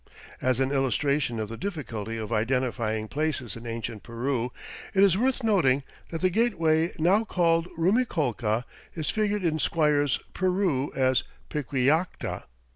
As an illustration of the difficulty of identifying places in ancient Peru, it is worth noting that the gateway now called Rumiccolca is figured in Squier's "Peru" as "Piquillacta."